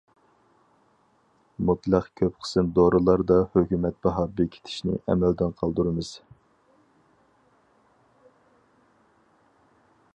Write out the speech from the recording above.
مۇتلەق كۆپ قىسىم دورىلاردا ھۆكۈمەت باھا بېكىتىشنى ئەمەلدىن قالدۇرىمىز.